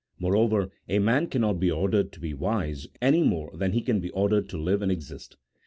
Moreover, a man cannot be ordered to be wise any more than he can be ordered to live and exist.